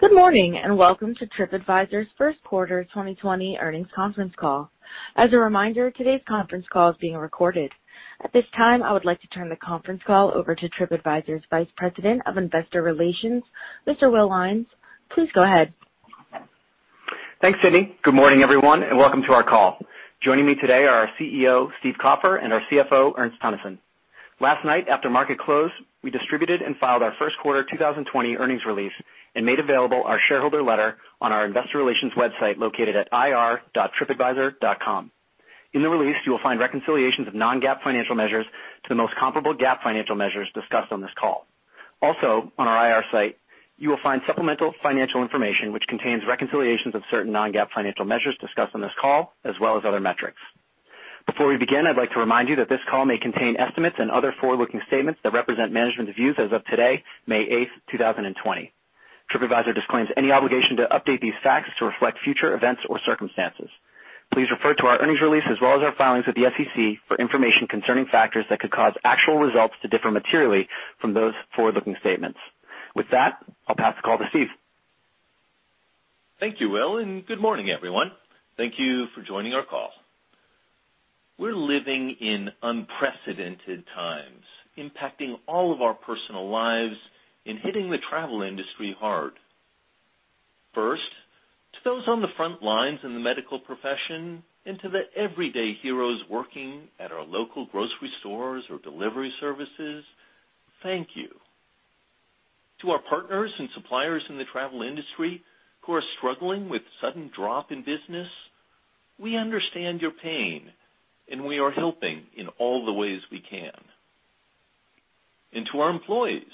Good morning, welcome to TripAdvisor's first quarter 2020 earnings conference call. As a reminder, today's conference call is being recorded. At this time, I would like to turn the conference call over to TripAdvisor's Vice President of Investor Relations, Mr. Will Lyons. Please go ahead. Thanks, Cindy. Good morning, everyone, and welcome to our call. Joining me today are our CEO, Steve Kaufer, and our CFO, Ernst Teunissen. Last night, after market close, we distributed and filed our first quarter 2020 earnings release and made available our shareholder letter on our investor relations website, located at ir.tripadvisor.com. In the release, you will find reconciliations of Non-GAAP financial measures to the most comparable GAAP financial measures discussed on this call. Also, on our IR site you will find supplemental financial information which contains reconciliations of certain Non-GAAP financial measures discussed on this call, as well as other metrics. Before we begin, I'd like to remind you that this call may contain estimates and other forward-looking statements that represent management views as of today, May 8th, 2020. TripAdvisor disclaims any obligation to update these facts to reflect future events or circumstances. Please refer to our earnings release as well as our filings with the SEC for information concerning factors that could cause actual results to differ materially from those forward-looking statements. With that, I'll pass the call to Steve. Thank you, Will. Good morning, everyone. Thank you for joining our call. We're living in unprecedented times, impacting all of our personal lives and hitting the travel industry hard. First, to those on the front lines in the medical profession and to the everyday heroes working at our local grocery stores or delivery services, thank you. To our partners and suppliers in the travel industry who are struggling with sudden drop in business, we understand your pain, and we are helping in all the ways we can. To our employees,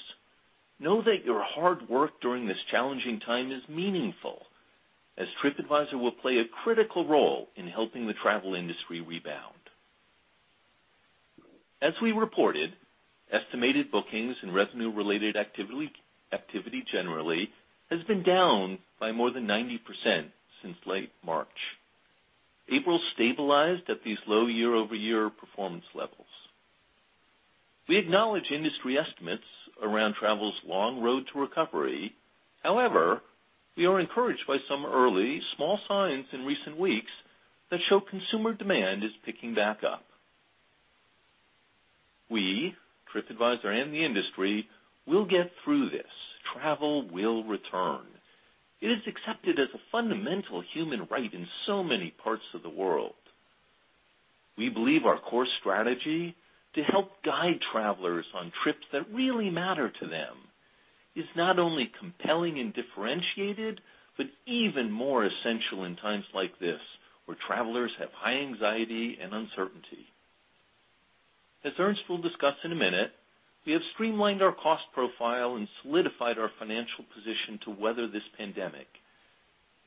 know that your hard work during this challenging time is meaningful, as TripAdvisor will play a critical role in helping the travel industry rebound. As we reported, estimated bookings and revenue-related activity generally has been down by more than 90% since late March. April stabilized at these low year-over-year performance levels. We acknowledge industry estimates around travel's long road to recovery. However, we are encouraged by some early small signs in recent weeks that show consumer demand is picking back up. We, TripAdvisor and the industry, will get through this. Travel will return. It is accepted as a fundamental human right in so many parts of the world. We believe our core strategy to help guide travelers on trips that really matter to them is not only compelling and differentiated, but even more essential in times like this, where travelers have high anxiety and uncertainty. As Ernst will discuss in a minute, we have streamlined our cost profile and solidified our financial position to weather this pandemic,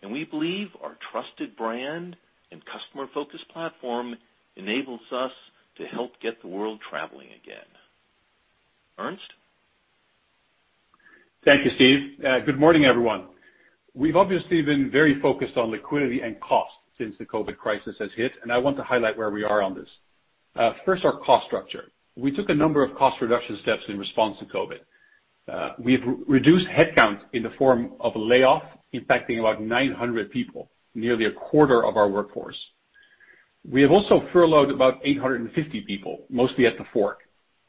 and we believe our trusted brand and customer-focused platform enables us to help get the world traveling again. Ernst? Thank you, Steve. Good morning, everyone. We've obviously been very focused on liquidity and cost since the COVID crisis has hit, and I want to highlight where we are on this. First, our cost structure. We took a number of cost reduction steps in response to COVID. We've reduced headcount in the form of a layoff impacting about 900 people, nearly a quarter of our workforce. We have also furloughed about 850 people, mostly at TheFork.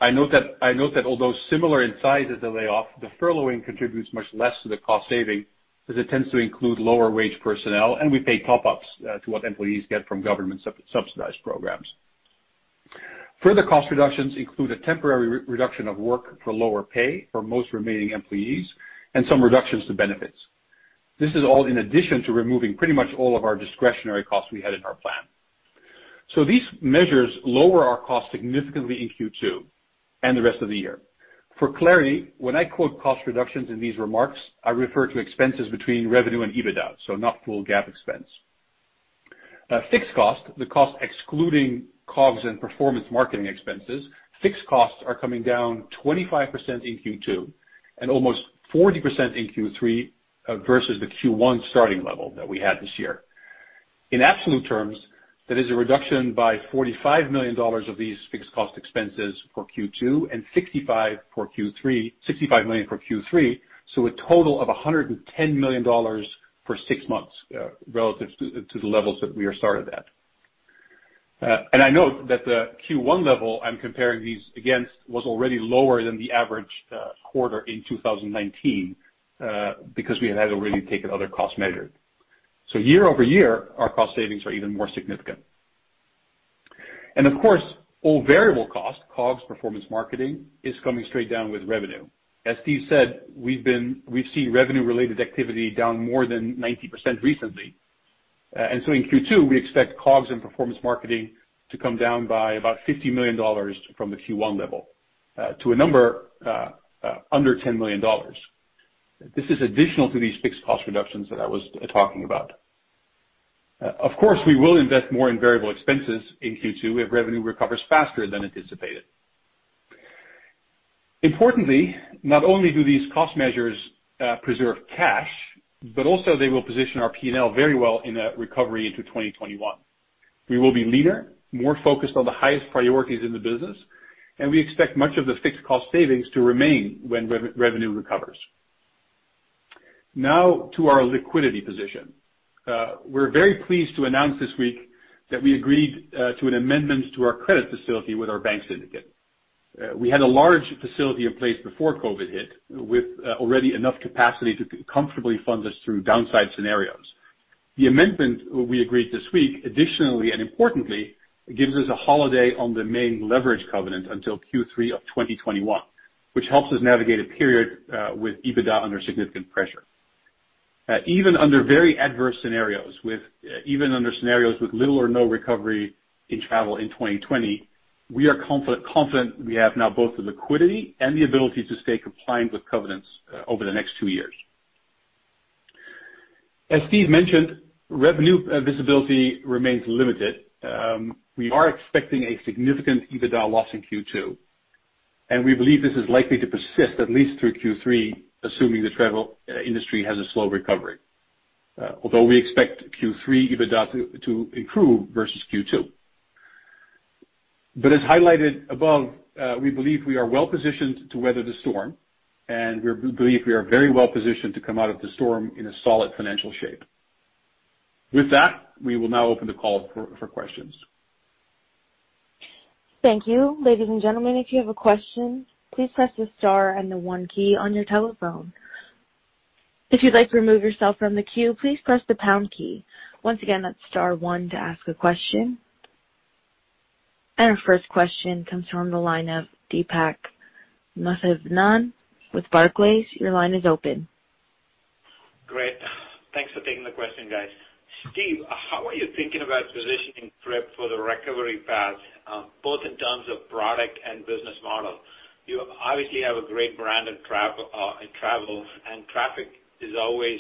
I note that although similar in size as the layoff, the furloughing contributes much less to the cost saving, as it tends to include lower wage personnel, and we pay top-ups to what employees get from government subsidized programs. Further cost reductions include a temporary reduction of work for lower pay for most remaining employees and some reductions to benefits. This is all in addition to removing pretty much all of our discretionary costs we had in our plan. These measures lower our cost significantly in Q2 and the rest of the year. For clarity, when I quote cost reductions in these remarks, I refer to expenses between revenue and EBITDA, so not full GAAP expense. Fixed cost, the cost excluding COGS and performance marketing expenses, fixed costs are coming down 25% in Q2 and almost 40% in Q3 versus the Q1 starting level that we had this year. In absolute terms, that is a reduction by $45 million of these fixed cost expenses for Q2 and $65 million for Q3, so a total of $110 million for six months, relative to the levels that we had started at. I note that the Q1 level I'm comparing these against was already lower than the average quarter in 2019, because we had already taken other cost measures. Year-over-year, our cost savings are even more significant. Of course, all variable cost, COGS, performance marketing, is coming straight down with revenue. As Steve said, we've seen revenue related activity down more than 90% recently. In Q2, we expect COGS and performance marketing to come down by about $50 million from the Q1 level to a number under $10 million. This is additional to these fixed cost reductions that I was talking about. Of course, we will invest more in variable expenses in Q2 if revenue recovers faster than anticipated. Importantly, not only do these cost measures preserve cash, but also they will position our P&L very well in a recovery into 2021. We will be leaner, more focused on the highest priorities in the business, and we expect much of the fixed cost savings to remain when revenue recovers. Now to our liquidity position. We're very pleased to announce this week that we agreed to an amendment to our credit facility with our bank syndicate. We had a large facility in place before COVID hit, with already enough capacity to comfortably fund us through downside scenarios. The amendment we agreed this week, additionally and importantly, gives us a holiday on the main leverage covenant until Q3 of 2021, which helps us navigate a period with EBITDA under significant pressure. Even under very adverse scenarios, even under scenarios with little or no recovery in travel in 2020, we are confident we have now both the liquidity and the ability to stay compliant with covenants over the next two years. As Steve mentioned, revenue visibility remains limited. We are expecting a significant EBITDA loss in Q2, and we believe this is likely to persist at least through Q3, assuming the travel industry has a slow recovery, although we expect Q3 EBITDA to improve versus Q2. As highlighted above, we believe we are well positioned to weather the storm, and we believe we are very well positioned to come out of the storm in a solid financial shape. With that, we will now open the call for questions. Thank you. Ladies and gentlemen, if you have a question, please press the star and the one key on your telephone. If you'd like to remove yourself from the queue, please press the pound key. Once again, that's star one to ask a question. Our first question comes from the line of Deepak Mathivanan with Barclays. Your line is open. Great. Thanks for taking the question, guys. Steve, how are you thinking about positioning Trip for the recovery path, both in terms of product and business model? You obviously have a great brand in travel, and traffic is always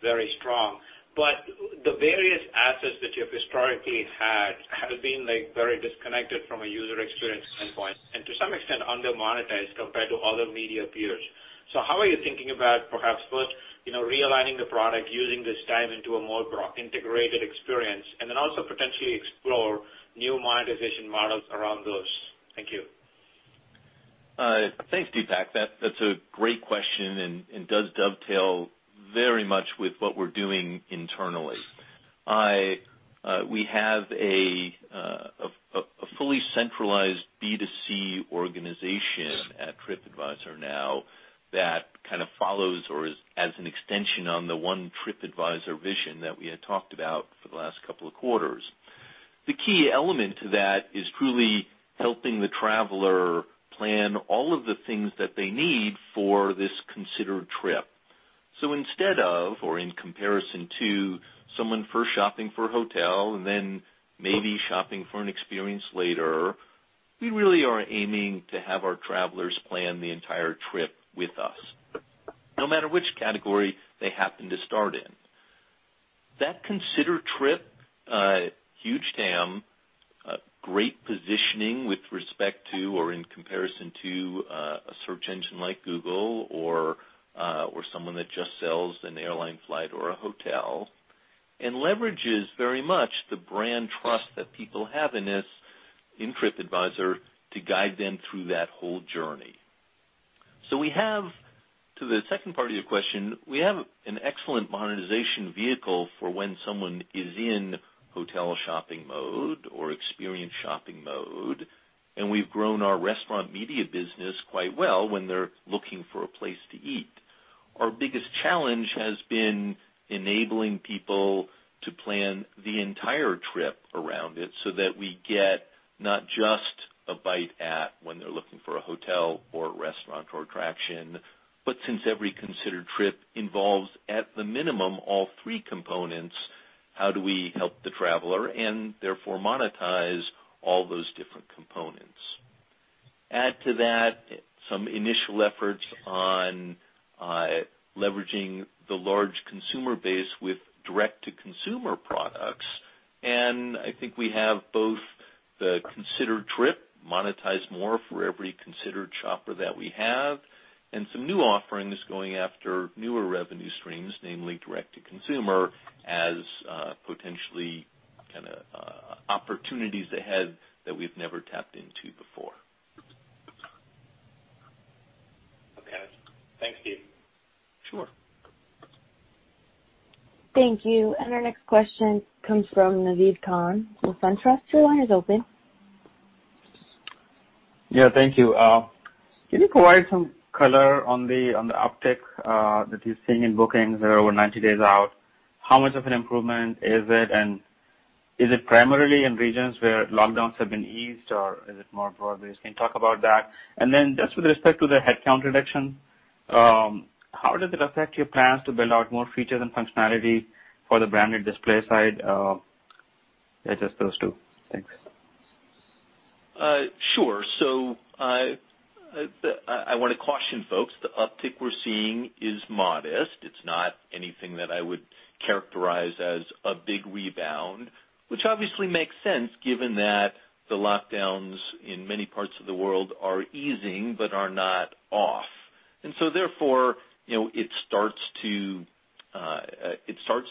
very strong. The various assets that you've historically had, have been very disconnected from a user experience standpoint, and to some extent, under-monetized compared to other media peers. How are you thinking about perhaps first, realigning the product, using this time into a more integrated experience, and then also potentially explore new monetization models around those? Thank you. Thanks, Deepak. That's a great question and does dovetail very much with what we're doing internally. We have a fully centralized B2C organization at TripAdvisor now that kind of follows or is as an extension on the One TripAdvisor vision that we had talked about for the last couple of quarters. The key element to that is truly helping the traveler plan all of the things that they need for this considered trip. Instead of, or in comparison to someone first shopping for a hotel and then maybe shopping for an experience later, we really are aiming to have our travelers plan the entire trip with us, no matter which category they happen to start in. That considered trip, huge TAM, great positioning with respect to or in comparison to a search engine like Google or someone that just sells an airline flight or a hotel, and leverages very much the brand trust that people have in us, in TripAdvisor, to guide them through that whole journey. We have, to the second part of your question, we have an excellent monetization vehicle for when someone is in hotel shopping mode or experience shopping mode, and we've grown our restaurant media business quite well when they're looking for a place to eat. Our biggest challenge has been enabling people to plan the entire trip around it so that we get not just a bite at when they're looking for a hotel or a restaurant or attraction, but since every considered trip involves, at the minimum, all three components, how do we help the traveler and therefore monetize all those different components? Add to that some initial efforts on leveraging the large consumer base with direct-to-consumer products, and I think we have both the considered trip, monetized more for every considered shopper that we have, and some new offerings going after newer revenue streams, namely direct-to-consumer, as potentially kind of opportunities ahead that we've never tapped into before. Okay. Thanks, Steve. Sure. Thank you. Our next question comes from Naved Khan with Truist. Your line is open. Yeah, thank you. Can you provide some color on the uptick that you're seeing in bookings that are over 90 days out? How much of an improvement is it, and is it primarily in regions where lockdowns have been eased, or is it more broadly? Can you talk about that? Then just with respect to the headcount reduction, how does it affect your plans to build out more features and functionality for the branded display side? That's just those two. Thanks. Sure. I want to caution folks, the uptick we're seeing is modest. It's not anything that I would characterize as a big rebound, which obviously makes sense given that the lockdowns in many parts of the world are easing but are not off. It starts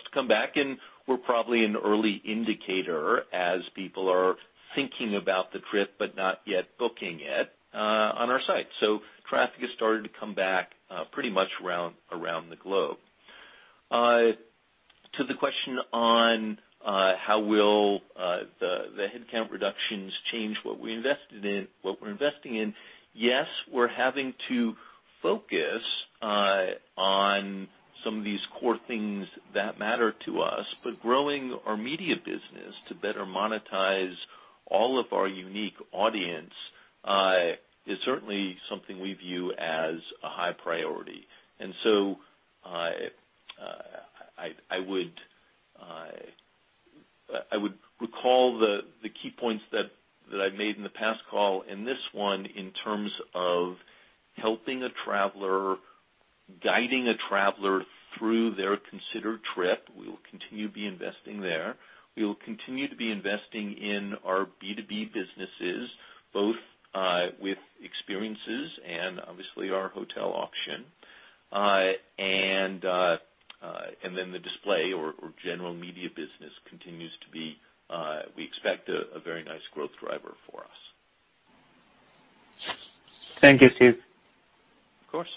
to come back, and we're probably an early indicator as people are thinking about the trip, but not yet booking it on our site. Traffic has started to come back pretty much around the globe. To the question on how will the headcount reductions change what we invested in, what we're investing in, yes, we're having to focus on some of these core things that matter to us, but growing our media business to better monetize all of our unique audience, is certainly something we view as a high priority. I would recall the key points that I made in the past call, and this one in terms of helping a traveler, guiding a traveler through their considered trip, we will continue to be investing there. We will continue to be investing in our B2B businesses, both with experiences and obviously our hotel auction. The display or general media business continues to be, we expect, a very nice growth driver for us. Thank you, Steve. Of course.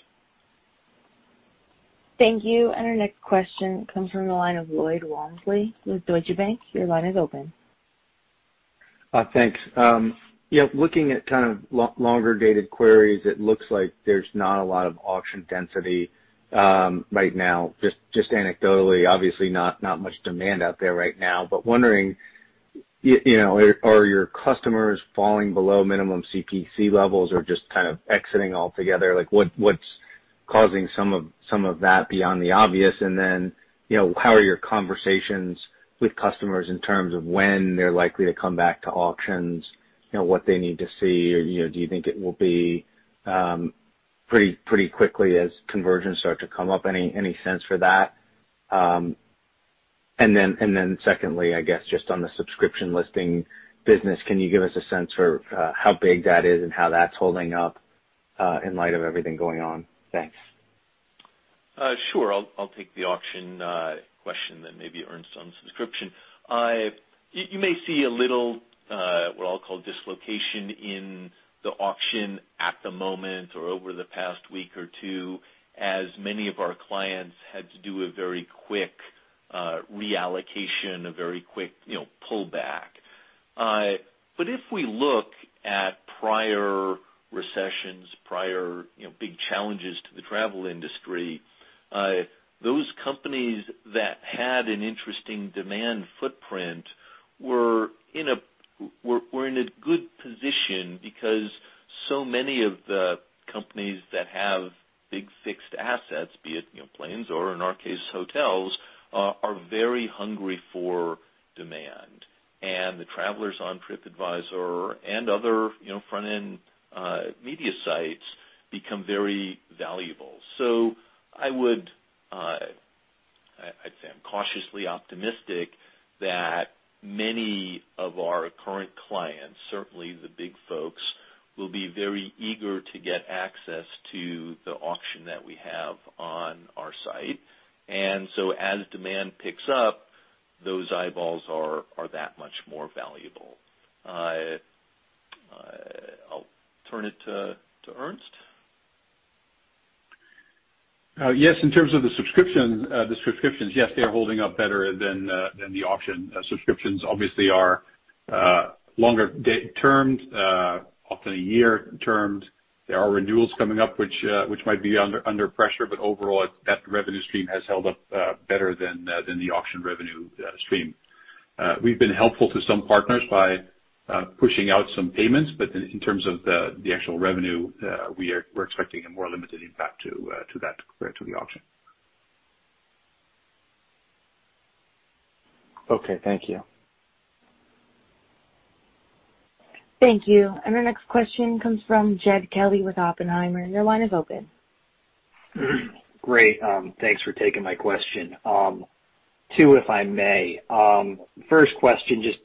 Thank you. Our next question comes from the line of Lloyd Walmsley with Deutsche Bank. Your line is open. Thanks. Looking at longer dated queries, it looks like there's not a lot of auction density right now, just anecdotally, obviously, not much demand out there right now, but wondering, are your customers falling below minimum CPC levels or just exiting altogether? What's causing some of that beyond the obvious, and then, how are your conversations with customers in terms of when they're likely to come back to auctions? What they need to see, or do you think it will be pretty quickly as conversions start to come up? Any sense for that? Secondly, I guess, just on the subscription listing business, can you give us a sense for how big that is and how that's holding up, in light of everything going on? Thanks. Sure. I'll take the auction question, then maybe Ernst on subscription. You may see a little, what I'll call dislocation in the auction at the moment or over the past week or two, as many of our clients had to do a very quick reallocation, a very quick pullback. If we look at prior recessions, prior big challenges to the travel industry, those companies that had an interesting demand footprint were in a good position because so many of the companies that have big fixed assets, be it planes or in our case, hotels, are very hungry for demand. The travelers on TripAdvisor and other front-end media sites become very valuable. I would say I'm cautiously optimistic that many of our current clients, certainly the big folks, will be very eager to get access to the auction that we have on our site. As demand picks up, those eyeballs are that much more valuable. I'll turn it to Ernst. Yes, in terms of the subscriptions, yes, they are holding up better than the auction. Subscriptions obviously are longer termed, often a year termed. There are renewals coming up which might be under pressure, but overall, that revenue stream has held up better than the auction revenue stream. We've been helpful to some partners by pushing out some payments, but in terms of the actual revenue, we're expecting a more limited impact to that compared to the auction. Okay, thank you. Thank you. Our next question comes from Jed Kelly with Oppenheimer. Your line is open. Great, thanks for taking my question. Two, if I may. First question, just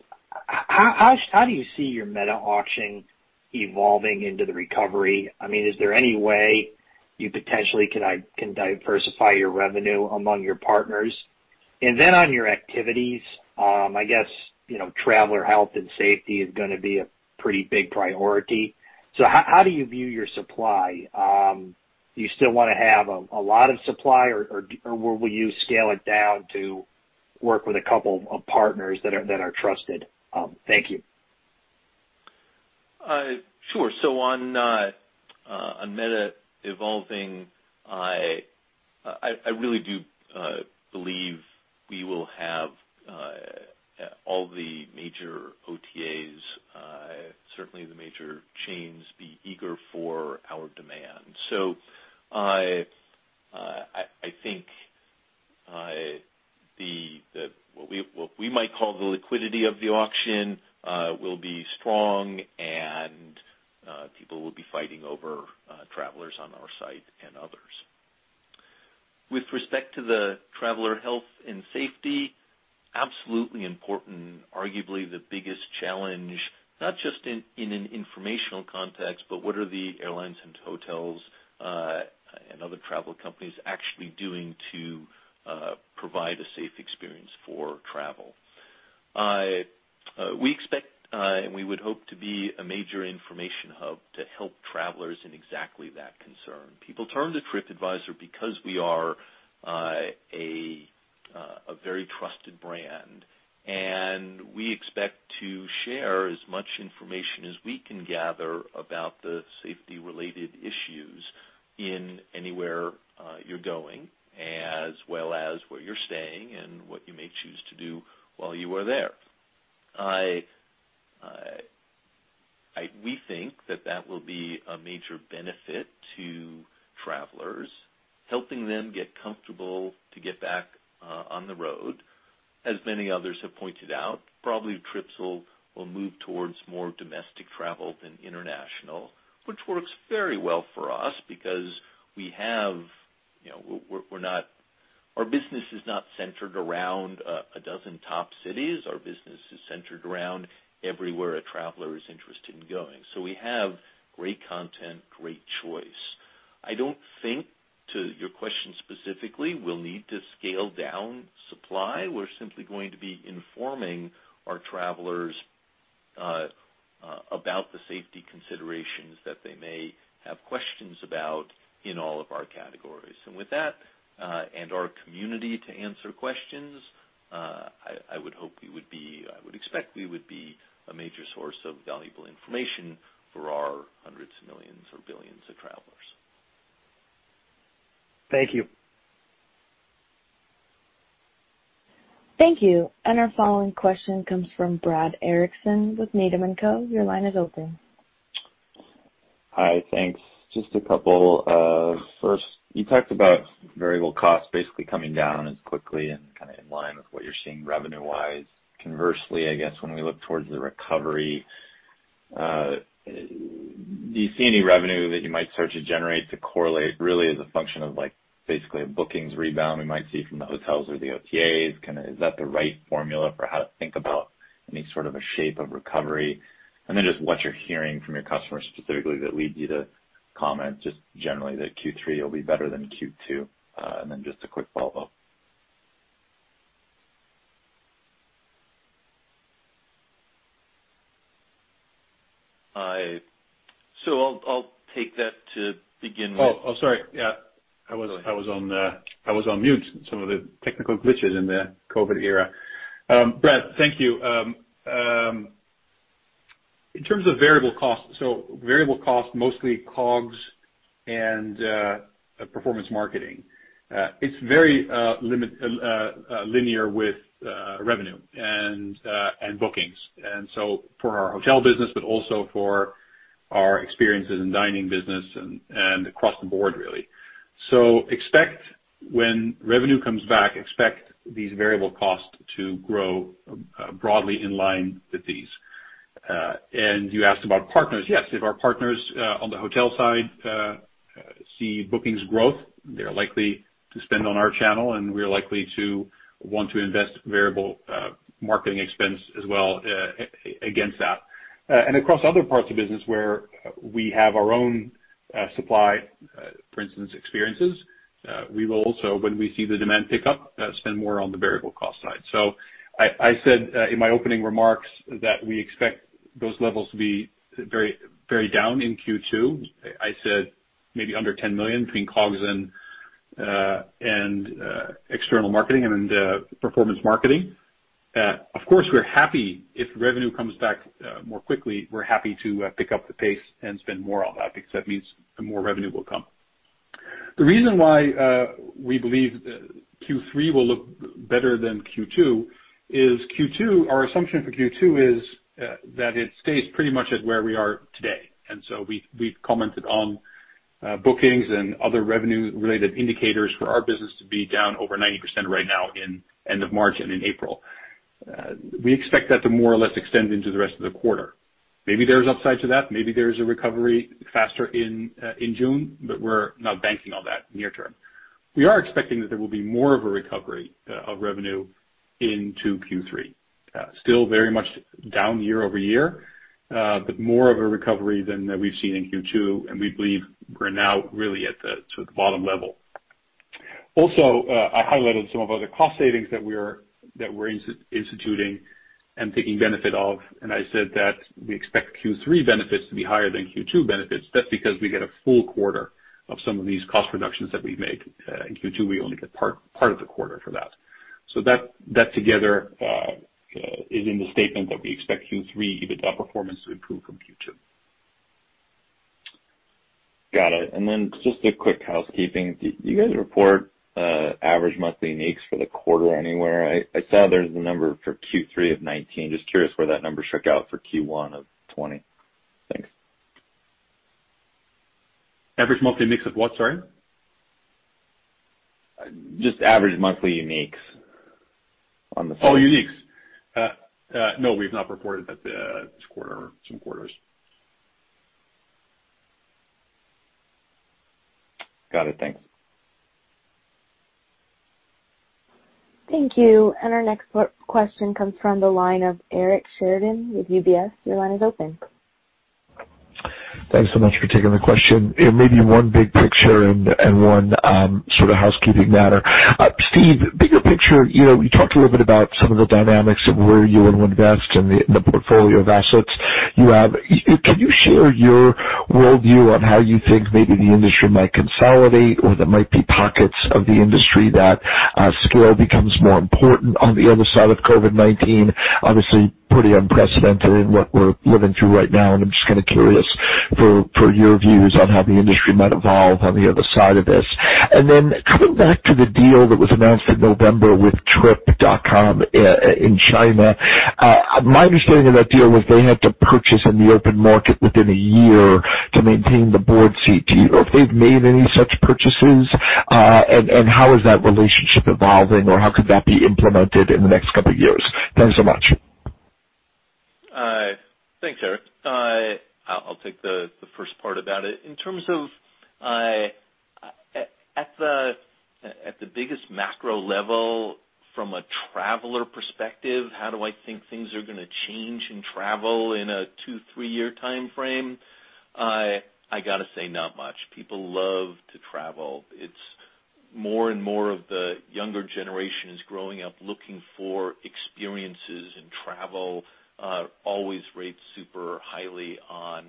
how do you see your meta auction evolving into the recovery? Is there any way you potentially can diversify your revenue among your partners? On your activities, I guess, traveler health and safety is going to be a pretty big priority. How do you view your supply? Do you still want to have a lot of supply or will you scale it down to work with a couple of partners that are trusted? Thank you. Sure. On meta evolving, I really do believe we will have all the major OTAs, certainly the major chains, be eager for our demand. I think what we might call the liquidity of the auction will be strong and people will be fighting over travelers on our site and others. With respect to the traveler health and safety, absolutely important, arguably the biggest challenge, not just in an informational context, but what are the airlines and hotels, and other travel companies actually doing to provide a safe experience for travel? We expect, and we would hope to be a major information hub to help travelers in exactly that concern. People turn to TripAdvisor because we are a very trusted brand, and we expect to share as much information as we can gather about the safety-related issues in anywhere you're going, as well as where you're staying and what you may choose to do while you are there. We think that that will be a major benefit to travelers, helping them get comfortable to get back on the road. As many others have pointed out, probably trips will move towards more domestic travel than international, which works very well for us because our business is not centered around a dozen top cities. Our business is centered around everywhere a traveler is interested in going. We have great content, great choice. I don't think, to your question specifically, we'll need to scale down supply. We're simply going to be informing our travelers about the safety considerations that they may have questions about in all of our categories. With that, and our community to answer questions, I would expect we would be a major source of valuable information for our hundreds of millions or billions of travelers. Thank you. Thank you. Our following question comes from Brad Erickson with Needham & Company. Your line is open. Hi, thanks. First, you talked about variable costs basically coming down as quickly and in line with what you're seeing revenue-wise. Conversely, I guess when we look towards the recovery, do you see any revenue that you might start to generate to correlate really as a function of basically a bookings rebound we might see from the hotels or the OTAs? Is that the right formula for how to think about any sort of a shape of recovery? Then just what you're hearing from your customers specifically that leads you to comment just generally that Q3 will be better than Q2. Then just a quick follow-up. I'll take that to begin with. Oh, sorry. Yeah. Go ahead. I was on mute. Some of the technical glitches in the COVID era. Brad, thank you. In terms of variable cost, variable cost, mostly COGS and performance marketing. It's very linear with revenue and bookings. For our hotel business, but also for our experiences in dining business and across the board, really. Expect when revenue comes back, expect these variable costs to grow broadly in line with these. You asked about partners. Yes, if our partners on the hotel side see bookings growth, they're likely to spend on our channel, and we're likely to want to invest variable marketing expense as well against that. Across other parts of business where we have our own supply, for instance, experiences, we will also, when we see the demand pick up, spend more on the variable cost side. I said in my opening remarks that we expect those levels to be very down in Q2. I said maybe under $10 million between COGS and external marketing and performance marketing. Of course, we're happy if revenue comes back more quickly, we're happy to pick up the pace and spend more on that because that means more revenue will come. The reason why we believe Q3 will look better than Q2 is our assumption for Q2 is that it stays pretty much at where we are today. We've commented on bookings and other revenue-related indicators for our business to be down over 90% right now in end of March and in April. We expect that to more or less extend into the rest of the quarter. Maybe there's upside to that. Maybe there's a recovery faster in June, but we're not banking on that near term. We are expecting that there will be more of a recovery of revenue into Q3. Still very much down year-over-year, more of a recovery than we've seen in Q2. We believe we're now really at the bottom level. I highlighted some of the other cost savings that we're instituting and taking benefit of. I said that we expect Q3 benefits to be higher than Q2 benefits. That's because we get a full quarter of some of these cost reductions that we've made. In Q2, we only get part of the quarter for that. That together is in the statement that we expect Q3 EBITDA performance to improve from Q2. Got it. Just a quick housekeeping. Do you guys report average monthly uniques for the quarter anywhere? I saw there's the number for Q3 2019. Just curious where that number shook out for Q1 2020. Thanks. Average monthly mix of what, sorry? Just average monthly uniques. Oh, uniques. No, we've not reported that this quarter, some quarters. Got it. Thanks. Thank you. Our next question comes from the line of Eric Sheridan with UBS. Your line is open. Thanks so much for taking the question. Maybe one big picture and one sort of housekeeping matter. Steve, bigger picture, you talked a little bit about some of the dynamics of where you would invest in the portfolio of assets you have. Can you share your worldview on how you think maybe the industry might consolidate or there might be pockets of the industry that scale becomes more important on the other side of COVID-19? Obviously, pretty unprecedented in what we're living through right now, and I'm just kind of curious for your views on how the industry might evolve on the other side of this. Coming back to the deal that was announced in November with Trip.com in China. My understanding of that deal was they had to purchase in the open market within a year to maintain the board seat. Do you know if they've made any such purchases? How is that relationship evolving, or how could that be implemented in the next couple of years? Thanks so much. Thanks, Eric. I'll take the first part about it. In terms of at the biggest macro level from a traveler perspective, how do I think things are going to change in travel in a two, three-year timeframe? I gotta say, not much. People love to travel. More and more of the younger generation is growing up looking for experiences, and travel always rates super highly on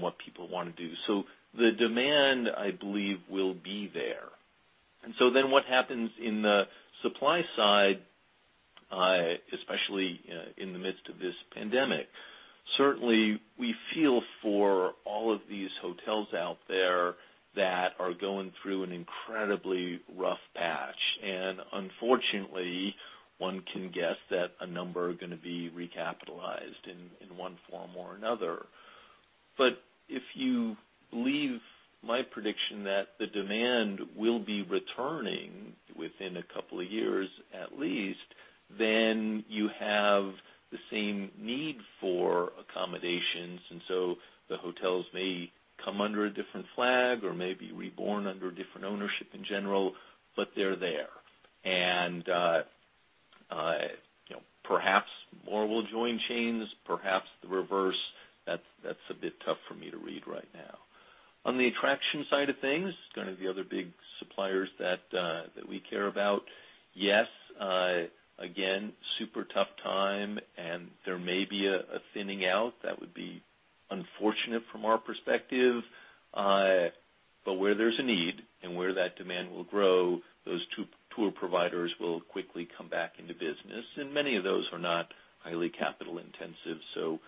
what people want to do. The demand, I believe, will be there. What happens in the supply side, especially in the midst of this pandemic, certainly we feel for all of these hotels out there that are going through an incredibly rough patch. Unfortunately, one can guess that a number are going to be recapitalized in one form or another. If you believe my prediction that the demand will be returning within a couple of years, at least, then you have the same need for accommodations. The hotels may come under a different flag or may be reborn under a different ownership in general, but they're there. Perhaps more will join chains, perhaps the reverse. That's a bit tough for me to read right now. On the attraction side of things, kind of the other big suppliers that we care about. Yes, again, super tough time, and there may be a thinning out. That would be unfortunate from our perspective. Where there's a need and where that demand will grow, those tour providers will quickly come back into business, and many of those are not highly capital-intensive, so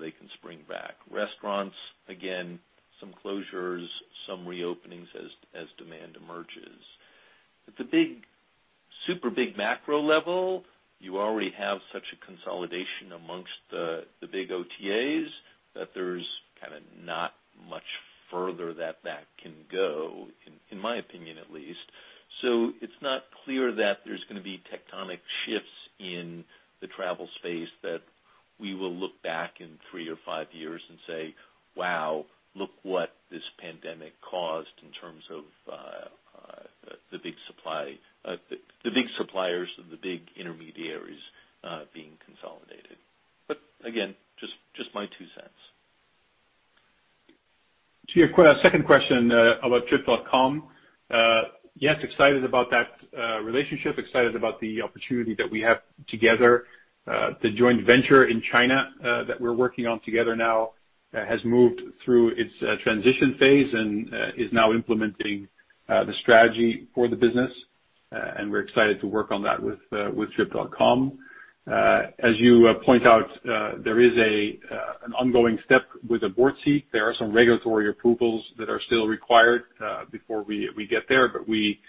they can spring back. Restaurants, again, some closures, some reopenings as demand emerges. At the super big macro level, you already have such a consolidation amongst the big OTAs that there's kind of not much further that that can go, in my opinion, at least. It's not clear that there's going to be tectonic shifts in the travel space that we will look back in three or five years and say, "Wow. Look what this pandemic caused in terms of the big suppliers and the big intermediaries being consolidated." Again, just my two cents. To your second question about Trip.com. Yes, excited about that relationship, excited about the opportunity that we have together. The joint venture in China that we're working on together now has moved through its transition phase and is now implementing the strategy for the business, and we're excited to work on that with Trip.com. As you point out, there is an ongoing step with a board seat. There are some regulatory approvals that are still required before we get there, but we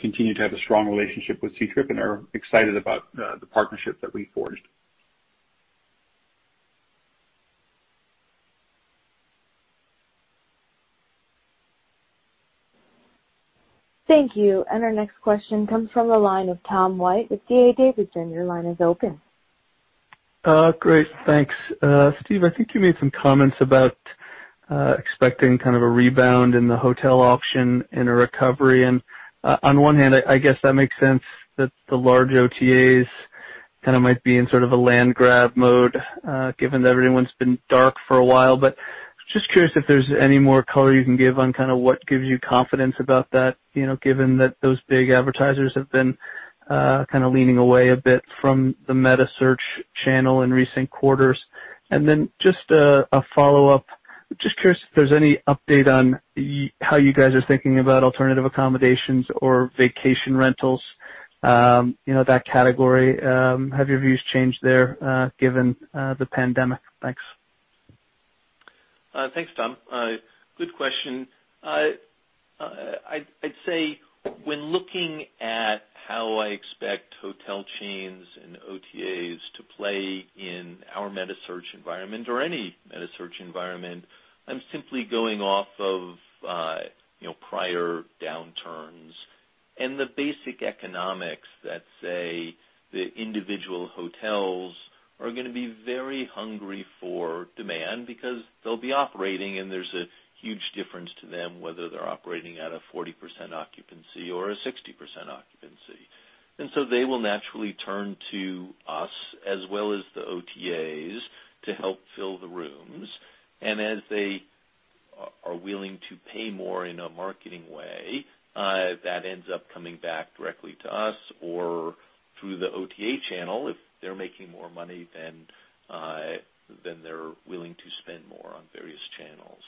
continue to have a strong relationship with Ctrip and are excited about the partnership that we forged. Thank you. Our next question comes from the line of Tom White with D.A. Davidson. Your line is open. Great. Thanks. Steve, I think you made some comments about expecting kind of a rebound in the hotel auction and a recovery. On one hand, I guess that makes sense that the large OTAs kind of might be in sort of a land grab mode, given that everyone's been dark for a while. Just curious if there's any more color you can give on what gives you confidence about that, given that those big advertisers have been kind of leaning away a bit from the metasearch channel in recent quarters. Just a follow-up. Just curious if there's any update on how you guys are thinking about alternative accommodations or vacation rentals, that category. Have your views changed there given the pandemic? Thanks. Thanks, Tom. Good question. I'd say when looking at how I expect hotel chains and OTAs to play in our metasearch environment or any metasearch environment, I'm simply going off of prior downturns. The basic economics that say the individual hotels are going to be very hungry for demand because they'll be operating and there's a huge difference to them whether they're operating at a 40% occupancy or a 60% occupancy. They will naturally turn to us as well as the OTAs to help fill the rooms. As they are willing to pay more in a marketing way, that ends up coming back directly to us or through the OTA channel if they're making more money, then they're willing to spend more on various channels.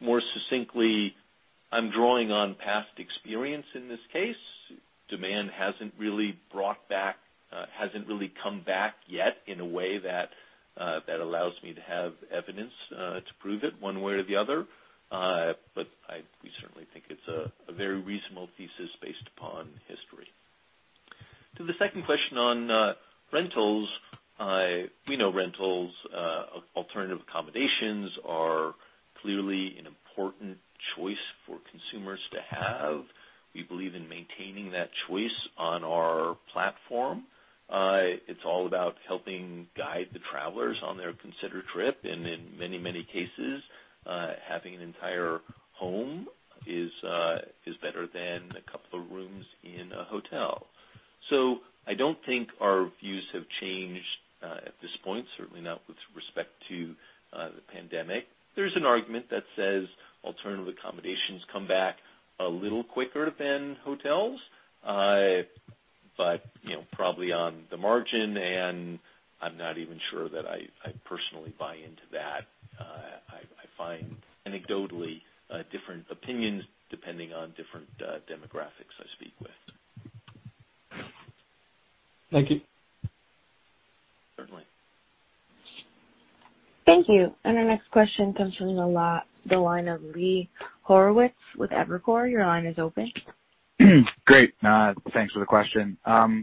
More succinctly, I'm drawing on past experience in this case. Demand hasn't really come back yet in a way that allows me to have evidence to prove it one way or the other. We certainly think it's a very reasonable thesis based upon history. To the second question on rentals, we know rentals, alternative accommodations are clearly an important choice for consumers to have. We believe in maintaining that choice on our platform. It's all about helping guide the travelers on their considered trip, and in many cases, having an entire home is better than a couple of rooms in a hotel. I don't think our views have changed at this point, certainly not with respect to the pandemic. There's an argument that says alternative accommodations come back a little quicker than hotels. Probably on the margin, and I'm not even sure that I personally buy into that. I find anecdotally different opinions depending on different demographics I speak with. Thank you. Certainly. Thank you. Our next question comes from the line of Lee Horowitz with Evercore. Your line is open. Great. Thanks for the question.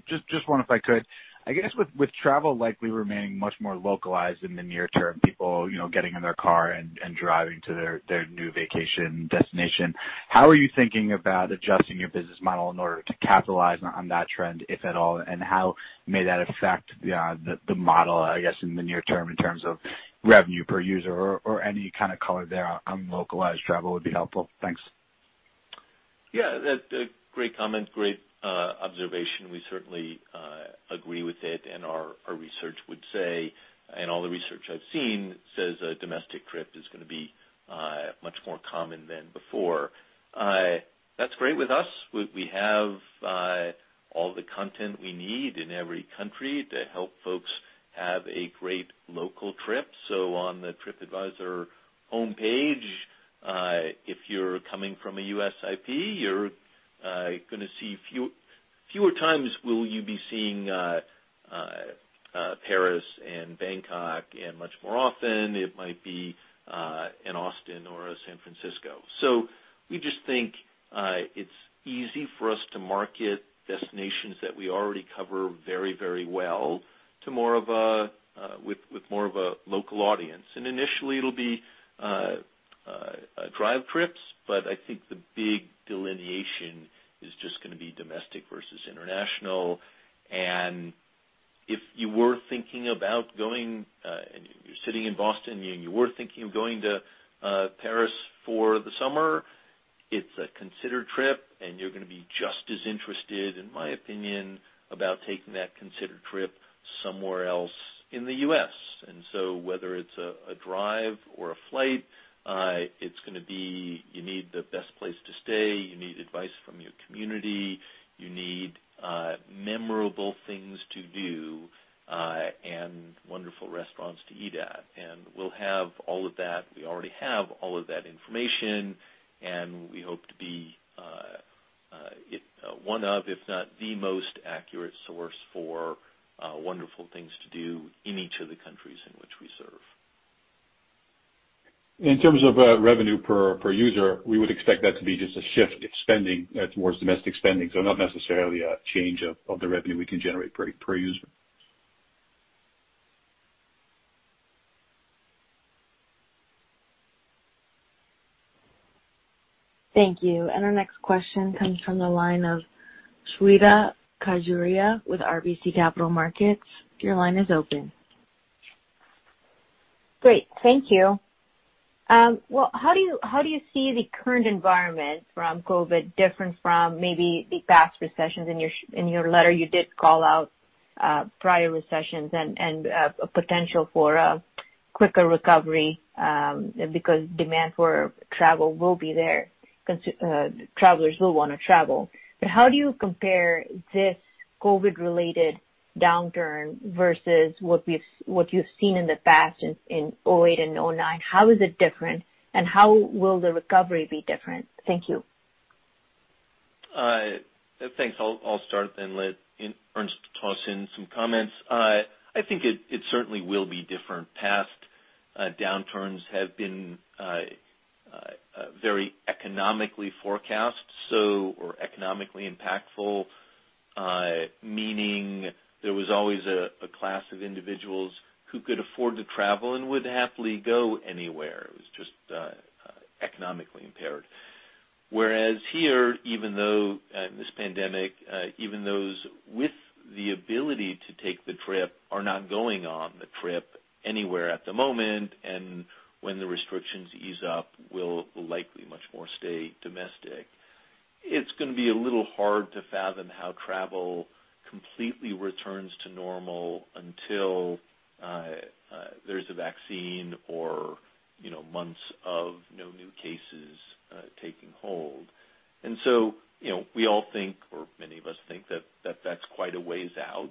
Just one if I could. I guess with travel likely remaining much more localized in the near term, people getting in their car and driving to their new vacation destination, how are you thinking about adjusting your business model in order to capitalize on that trend, if at all? How may that affect the model, I guess, in the near term in terms of revenue per user or any kind of color there on localized travel would be helpful. Thanks. Yeah, great comment. Great observation. We certainly agree with it, and our research would say, and all the research I've seen says a domestic trip is going to be much more common than before. That's great with us. We have all the content we need in every country to help folks have a great local trip. On the TripAdvisor homepage, if you're coming from a U.S. IP, fewer times will you be seeing Paris and Bangkok, and much more often it might be an Austin or a San Francisco. Initially it'll be drive trips, but I think the big delineation is just going to be domestic versus international. If you were thinking about going, and you're sitting in Boston, and you were thinking of going to Paris for the summer, it's a considered trip, and you're going to be just as interested, in my opinion, about taking that considered trip somewhere else in the U.S. Whether it's a drive or a flight, it's going to be you need the best place to stay, you need advice from your community, you need memorable things to do, and wonderful restaurants to eat at. We'll have all of that. We already have all of that information, and we hope to be one of, if not the most accurate source for wonderful things to do in each of the countries in which we serve. In terms of revenue per user, we would expect that to be just a shift in spending towards domestic spending. Not necessarily a change of the revenue we can generate per user. Thank you. Our next question comes from the line of Shweta Khajuria with RBC Capital Markets. Your line is open. Great. Thank you. Well, how do you see the current environment from COVID different from maybe the past recessions? In your letter, you did call out prior recessions and a potential for a quicker recovery, because demand for travel will be there, travelers will want to travel. How do you compare this COVID related downturn versus what you've seen in the past in 2008 and 2009? How is it different, how will the recovery be different? Thank you. Thanks. I'll start, then let Ernst toss in some comments. I think it certainly will be different. Past downturns have been very economically forecast or economically impactful. Meaning there was always a class of individuals who could afford to travel and would happily go anywhere, it was just economically impaired. Whereas here, even though in this pandemic, even those with the ability to take the trip are not going on the trip anywhere at the moment, and when the restrictions ease up, will likely much more stay domestic. It's going to be a little hard to fathom how travel completely returns to normal until there's a vaccine or months of no new cases taking hold. We all think, or many of us think that that's quite a ways out.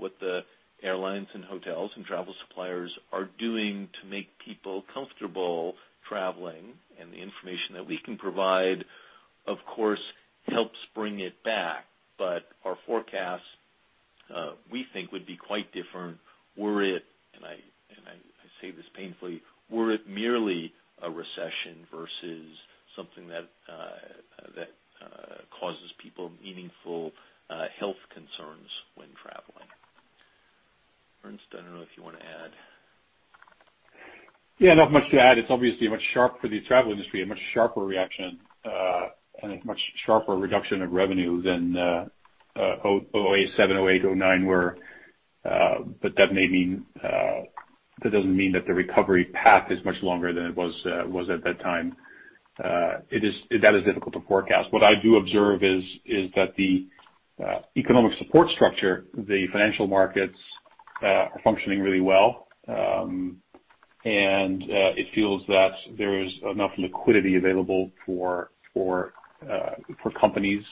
What the airlines and hotels and travel suppliers are doing to make people comfortable traveling, and the information that we can provide, of course, helps bring it back. Our forecast, we think would be quite different, were it, and I say this painfully, were it merely a recession versus something that causes people meaningful health concerns when traveling. Ernst, I don't know if you want to add. Yeah, not much to add. It's obviously much sharper for the travel industry, a much sharper reaction, and a much sharper reduction of revenue than 2008, 2007, 2008, 2009 were, but that doesn't mean that the recovery path is much longer than it was at that time. That is difficult to forecast. What I do observe is that the economic support structure, the financial markets are functioning really well, and it feels that there is enough liquidity available for companies,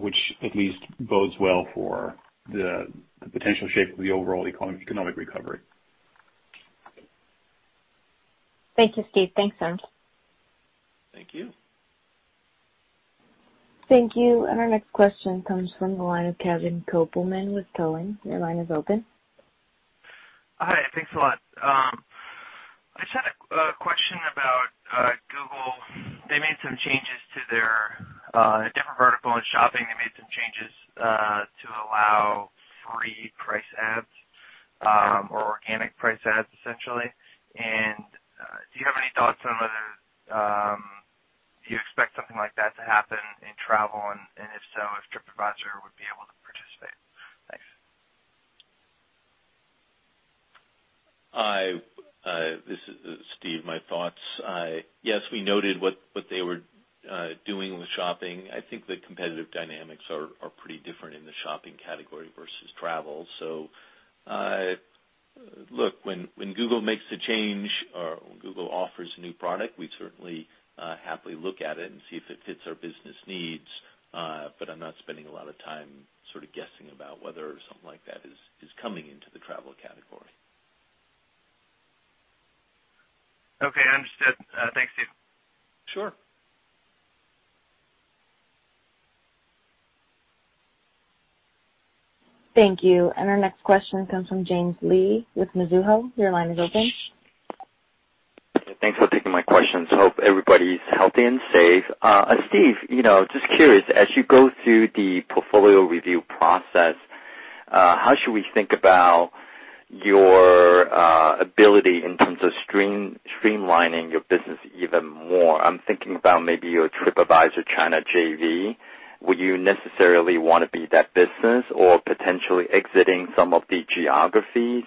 which at least bodes well for the potential shape of the overall economic recovery. Thank you, Steve. Thanks, Ernst. Thank you. Thank you. Our next question comes from the line of Kevin Kopelman with Cowen. Your line is open. Hi, thanks a lot. I just had a question about Google. They made some changes to their different vertical in shopping. They made some changes to allow free price ads or organic price ads, essentially. Do you have any thoughts on whether you expect something like that to happen in travel, and if so, if TripAdvisor would be able to participate? Thanks. This is Steve. My thoughts. We noted what they were doing with shopping. I think the competitive dynamics are pretty different in the shopping category versus travel. Look, when Google makes a change or Google offers a new product, we certainly happily look at it and see if it fits our business needs. I'm not spending a lot of time sort of guessing about whether something like that is coming into the travel category. Okay, understood. Thanks, Steve. Sure. Thank you. Our next question comes from James Lee with Mizuho. Your line is open. Thanks for taking my questions. Hope everybody's healthy and safe. Steve, just curious, as you go through the portfolio review process, how should we think about your ability in terms of streamlining your business even more? I'm thinking about maybe your TripAdvisor China JV. Would you necessarily want to be that business or potentially exiting some of the geographies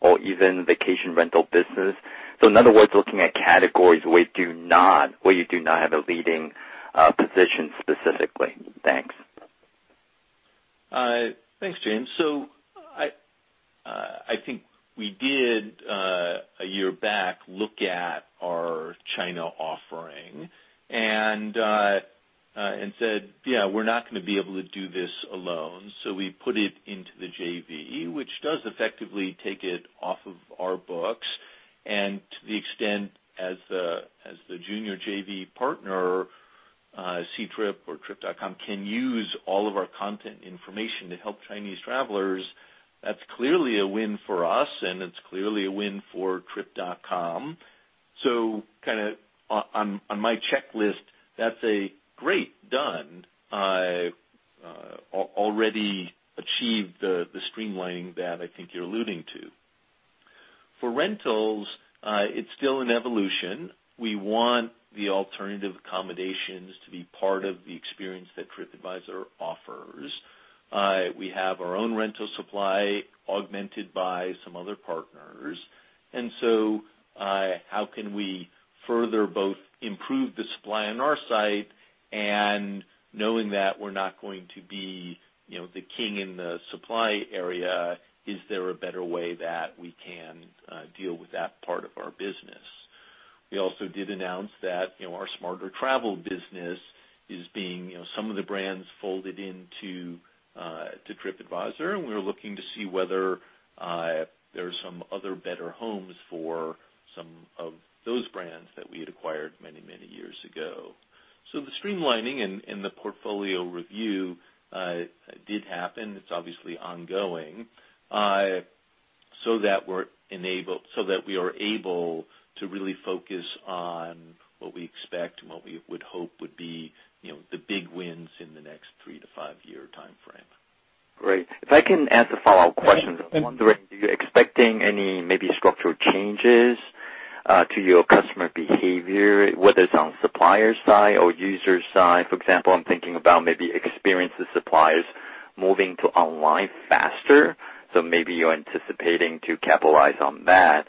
or even vacation rental business? In other words, looking at categories where you do not have a leading position specifically. Thanks. Thanks, James. I think we did, a year back, look at our China offering and said, "Yeah, we're not going to be able to do this alone." We put it into the JV, which does effectively take it off of our books. To the extent as the junior JV partner, Ctrip or Trip.com, can use all of our content information to help Chinese travelers, that's clearly a win for us, and it's clearly a win for Trip.com. On my checklist, that's a great done. Already achieved the streamlining that I think you're alluding to. For rentals, it's still an evolution. We want the alternative accommodations to be part of the experience that TripAdvisor offers. We have our own rental supply augmented by some other partners. How can we further both improve the supply on our site and knowing that we're not going to be the king in the supply area, is there a better way that we can deal with that part of our business? We also did announce that our Smarter Travel business is being some of the brands folded into TripAdvisor, and we're looking to see whether there are some other better homes for some of those brands that we had acquired many, many years ago. The streamlining and the portfolio review did happen. It's obviously ongoing. That we are able to really focus on what we expect and what we would hope would be the big wins in the next three to five year timeframe. Great. If I can ask a follow-up question. I'm wondering, are you expecting any maybe structural changes to your customer behavior, whether it's on supplier side or user side? For example, I'm thinking about maybe experienced suppliers moving to online faster, so maybe you're anticipating to capitalize on that.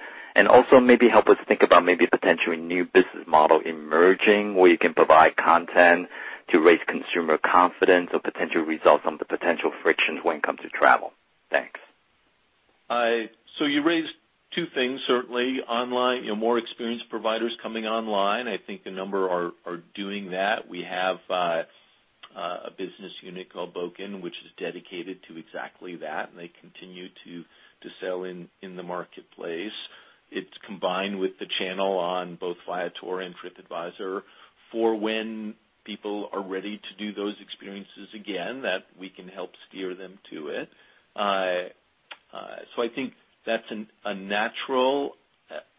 Also maybe help us think about maybe potentially new business model emerging where you can provide content to raise consumer confidence or potential results on the potential frictions when it comes to travel. Thanks. You raised two things, certainly. More experienced providers coming online. I think a number are doing that. We have a business unit called Bokun, which is dedicated to exactly that, and they continue to sell in the marketplace. It's combined with the channel on both Viator and TripAdvisor for when people are ready to do those experiences again, that we can help steer them to it. I think that's a natural.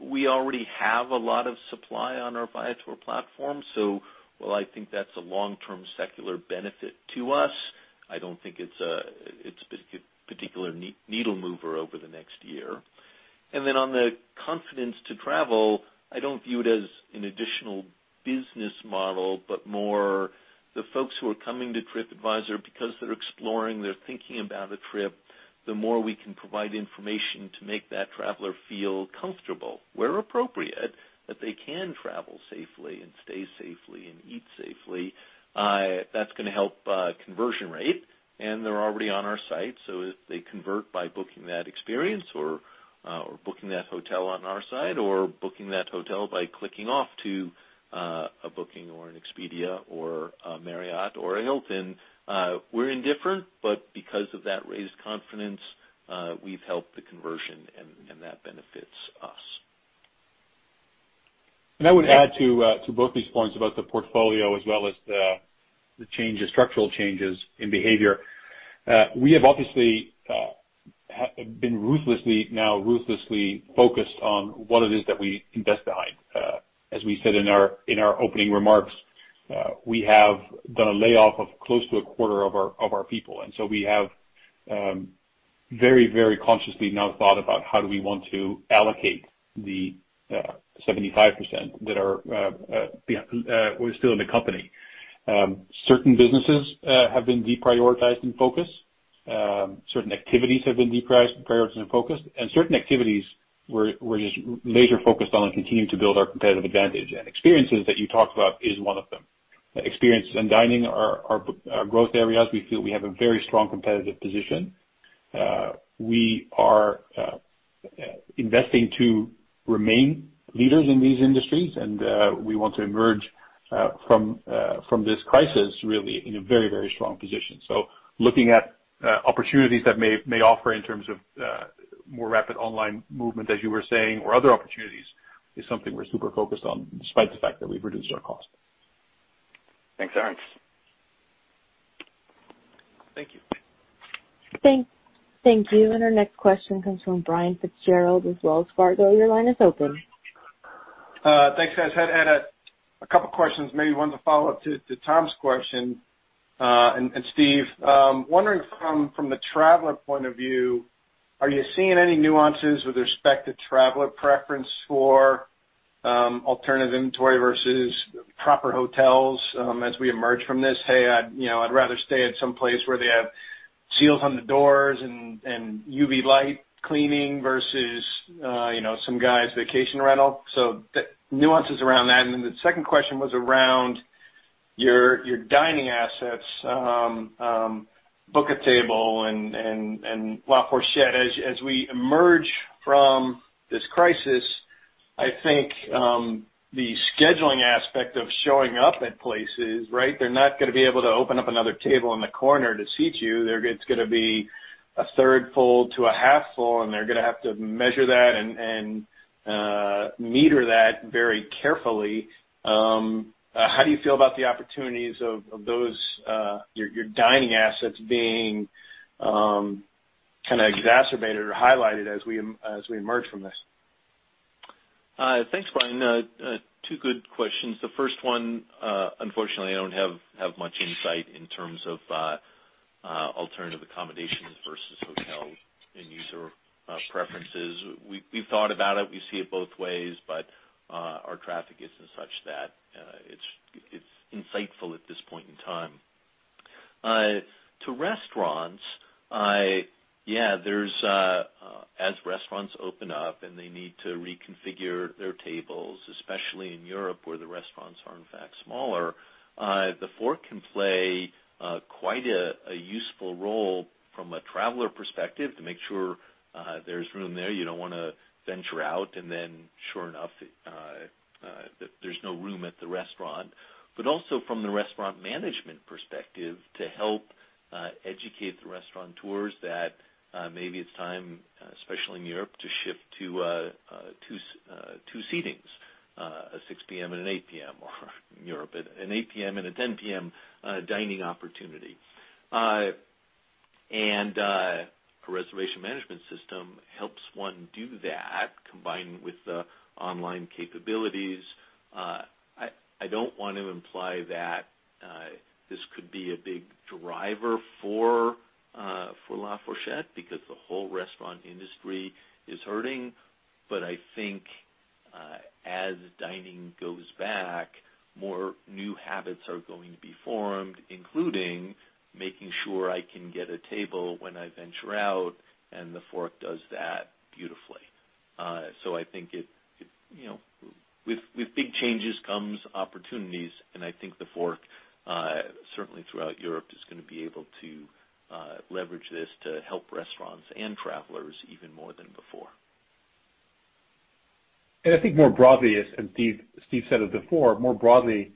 We already have a lot of supply on our Viator platform, so while I think that's a long-term secular benefit to us, I don't think it's a particular needle mover over the next year. On the confidence to travel, I don't view it as an additional business model, but more the folks who are coming to TripAdvisor because they're exploring, they're thinking about a trip, the more we can provide information to make that traveler feel comfortable, where appropriate, that they can travel safely and stay safely and eat safely. That's going to help conversion rate. They're already on our site, so if they convert by booking that experience or booking that hotel on our site or booking that hotel by clicking off to a booking or an Expedia or a Marriott or a Hilton, we're indifferent. Because of that raised confidence, we've helped the conversion, and that benefits us. I would add to both these points about the portfolio as well as the structural changes in behavior. We have obviously been ruthlessly focused on what it is that we invest behind. As we said in our opening remarks, we have done a layoff of close to a quarter of our people. We have very consciously now thought about how do we want to allocate the 75% that are still in the company. Certain businesses have been deprioritized in focus, certain activities have been deprioritized in focus. Certain activities we're just major focused on and continuing to build our competitive advantage, and experiences that you talked about is one of them. Experiences and dining are growth areas. We feel we have a very strong competitive position. We are investing to remain leaders in these industries, and we want to emerge from this crisis really in a very strong position. Looking at opportunities that may offer in terms of more rapid online movement, as you were saying, or other opportunities, is something we're super focused on despite the fact that we've reduced our cost. Thanks, Ernst. Thank you. Thank you. Our next question comes from Brian Fitzgerald with Wells Fargo. Your line is open. Thanks, guys. Had a couple questions, maybe one to follow up to Tom's question, and Steve. Wondering from the traveler point of view, are you seeing any nuances with respect to traveler preference for alternative inventory versus proper hotels as we emerge from this? "Hey, I'd rather stay at some place where they have seals on the doors and UV light cleaning versus some guy's vacation rental." The nuances around that. The second question was around your dining assets, Bookatable and La Fourchette. As we emerge from this crisis, I think the scheduling aspect of showing up at places, they're not going to be able to open up another table in the corner to seat you. It's going to be a third full to a half full, and they're going to have to measure that and meter that very carefully. How do you feel about the opportunities of your dining assets being kind of exacerbated or highlighted as we emerge from this? Thanks, Brian. Two good questions. The first one, unfortunately, I don't have much insight in terms of alternative accommodations versus hotels and user preferences. We've thought about it. We see it both ways. Our traffic isn't such that it's insightful at this point in time. To restaurants, yeah, as restaurants open up and they need to reconfigure their tables, especially in Europe where the restaurants are in fact smaller, TheFork can play quite a useful role from a traveler perspective to make sure there's room there. You don't want to venture out. Sure enough, there's no room at the restaurant. Also from the restaurant management perspective, to help educate the restaurateurs that maybe it's time, especially in Europe, to shift to two seatings, a 6:00 P.M. and an 8:00 P.M., or in Europe, an 8:00 P.M. and a 10:00 P.M. dining opportunity. A reservation management system helps one do that, combined with the online capabilities. I don't want to imply that this could be a big driver for La Fourchette because the whole restaurant industry is hurting. I think as dining goes back, more new habits are going to be formed, including making sure I can get a table when I venture out, and TheFork does that beautifully. I think with big changes comes opportunities, and I think TheFork, certainly throughout Europe, is going to be able to leverage this to help restaurants and travelers even more than before. I think more broadly, as Steve said it before, more broadly,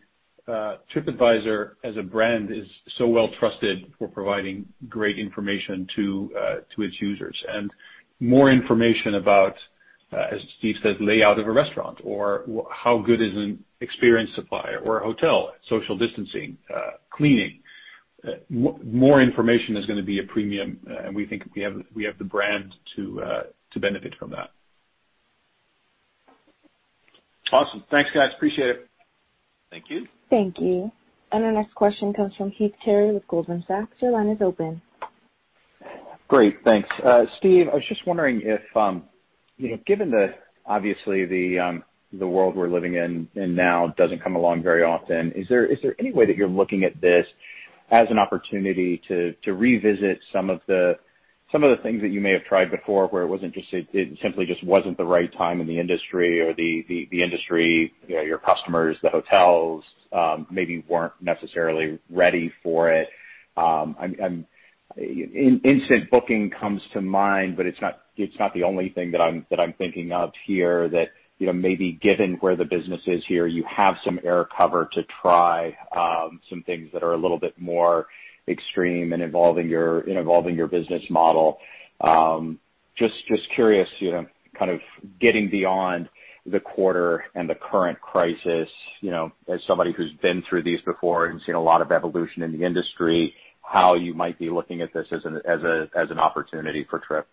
TripAdvisor as a brand is so well trusted for providing great information to its users. More information about, as Steve said, layout of a restaurant or how good is an experience supplier or a hotel, social distancing, cleaning, more information is going to be a premium, and we think we have the brand to benefit from that. Awesome. Thanks, guys. Appreciate it. Thank you. Thank you. Our next question comes from Heath Terry with Goldman Sachs. Your line is open. Great, thanks. Steve, I was just wondering if, given obviously the world we're living in now doesn't come along very often, is there any way that you're looking at this as an opportunity to revisit some of the things that you may have tried before where it simply just wasn't the right time in the industry, your customers, the hotels, maybe weren't necessarily ready for it? Instant booking comes to mind, but it's not the only thing that I'm thinking of here that, maybe given where the business is here, you have some air cover to try some things that are a little bit more extreme in evolving your business model. Just curious, kind of getting beyond the quarter and the current crisis, as somebody who's been through these before and seen a lot of evolution in the industry, how you might be looking at this as an opportunity for Trip?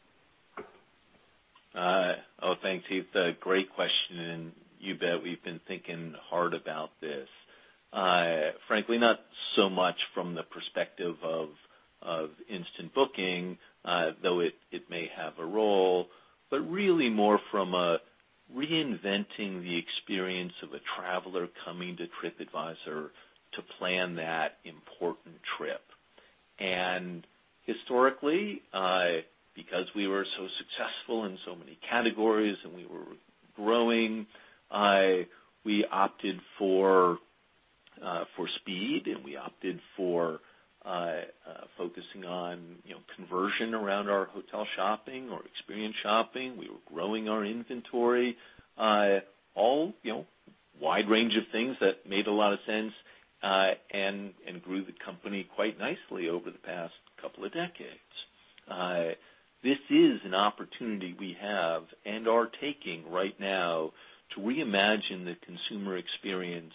Oh, thanks, Heath. A great question, and you bet we've been thinking hard about this. Frankly, not so much from the perspective of instant booking, though it may have a role, but really more from a reinventing the experience of a traveler coming to TripAdvisor to plan that important trip. Historically, because we were so successful in so many categories and we were growing, we opted for speed, and we opted for focusing on conversion around our hotel shopping or experience shopping. We were growing our inventory. All wide range of things that made a lot of sense, and grew the company quite nicely over the past couple of decades. This is an opportunity we have and are taking right now to reimagine the consumer experience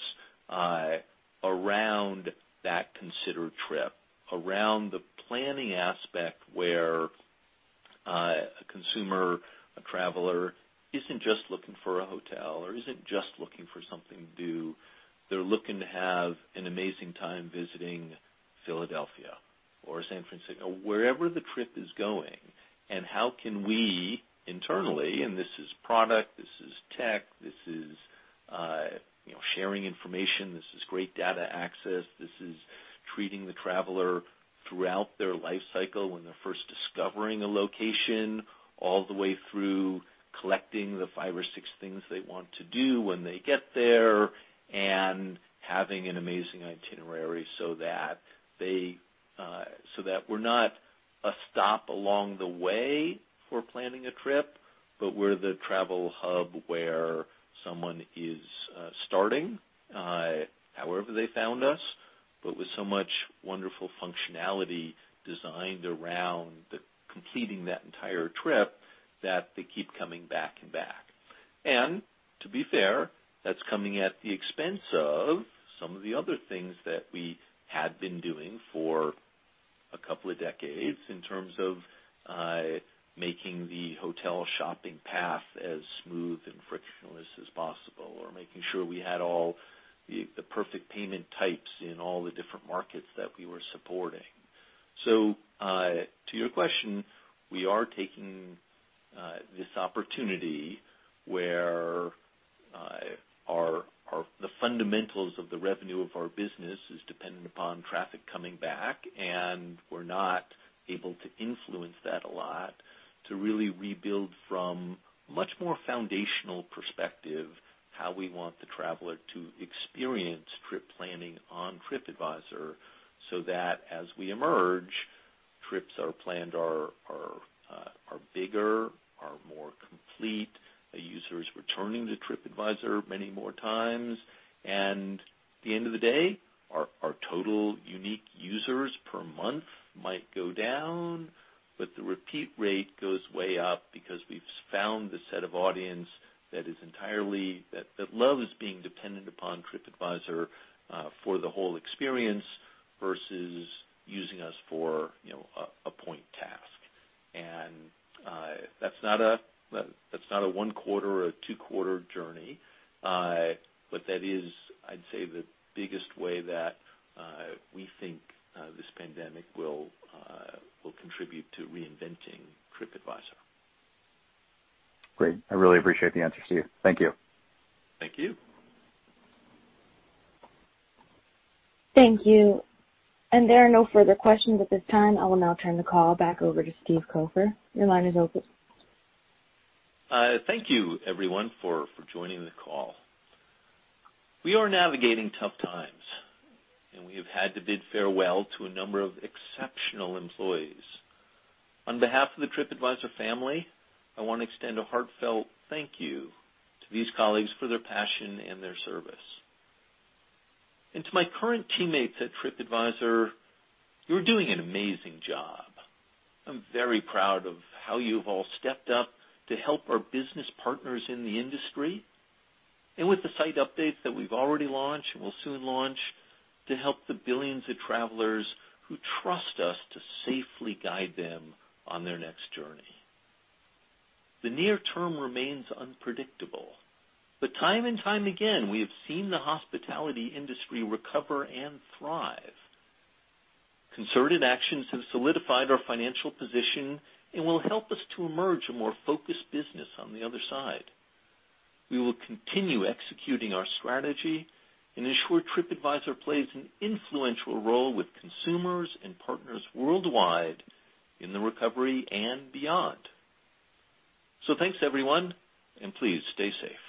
around that considered trip, around the planning aspect where a consumer, a traveler, isn't just looking for a hotel or isn't just looking for something to do. They're looking to have an amazing time visiting Philadelphia or San Francisco, wherever the trip is going, and how can we internally, and this is product, this is tech, this is sharing information, this is great data access, this is treating the traveler throughout their life cycle when they're first discovering a location, all the way through collecting the five or six things they want to do when they get there, and having an amazing itinerary so that we're not a stop along the way for planning a trip, but we're the travel hub where someone is starting, however they found us, but with so much wonderful functionality designed around completing that entire trip that they keep coming back and back. To be fair, that's coming at the expense of some of the other things that we had been doing for a couple of decades in terms of making the hotel shopping path as smooth and frictionless as possible, or making sure we had all the perfect payment types in all the different markets that we were supporting. To your question, we are taking this opportunity where the fundamentals of the revenue of our business is dependent upon traffic coming back, and we're not able to influence that a lot to really rebuild from much more foundational perspective how we want the traveler to experience trip planning on TripAdvisor so that as we emerge, trips that are planned are bigger, are more complete. A user is returning to TripAdvisor many more times. At the end of the day, our total unique users per month might go down. The repeat rate goes way up because we've found the set of audience that loves being dependent upon TripAdvisor for the whole experience versus using us for a point task. That's not a one quarter or a two-quarter journey, but that is, I'd say, the biggest way that we think this pandemic will contribute to reinventing TripAdvisor. Great. I really appreciate the answers, Steve. Thank you. Thank you. Thank you. There are no further questions at this time. I will now turn the call back over to Steve Kaufer. Your line is open. Thank you, everyone, for joining the call. We are navigating tough times, and we have had to bid farewell to a number of exceptional employees. On behalf of the TripAdvisor family, I want to extend a heartfelt thank you to these colleagues for their passion and their service. To my current teammates at TripAdvisor, you're doing an amazing job. I'm very proud of how you've all stepped up to help our business partners in the industry, and with the site updates that we've already launched and will soon launch to help the billions of travelers who trust us to safely guide them on their next journey. The near term remains unpredictable, but time and time again, we have seen the hospitality industry recover and thrive. Concerted actions have solidified our financial position and will help us to emerge a more focused business on the other side. We will continue executing our strategy and ensure TripAdvisor plays an influential role with consumers and partners worldwide in the recovery and beyond. Thanks, everyone, and please stay safe.